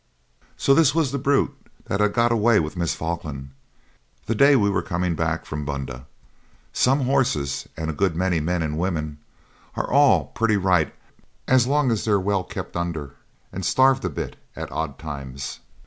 So this was the brute that had got away with Miss Falkland, the day we were coming back from Bundah. Some horses, and a good many men and women, are all pretty right as long as they're well kept under and starved a bit at odd times.